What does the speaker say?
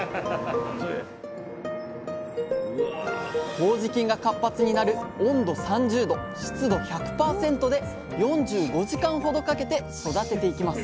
こうじ菌が活発になる温度３０℃湿度１００％で４５時間ほどかけて育てていきます